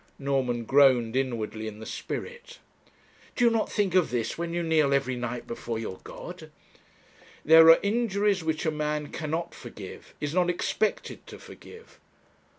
Norman groaned inwardly in the spirit. 'Do you not think of this when you kneel every night before your God?' 'There are injuries which a man cannot forgive, is not expected to forgive.'